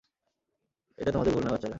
এটা তোমাদের ভুল নয়, বাচ্চারা।